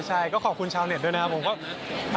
ใช่ก็ขอบคุณชาวเน็ตด้วยนะครับผมก็